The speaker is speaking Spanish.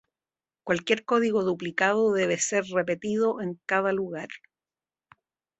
Cualquier código duplicado debe ser repetido en cada lugar.